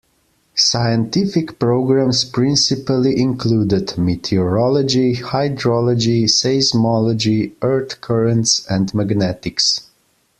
Scientific programs principally included meteorology, hydrology, seismology, earth currents, and magnetics.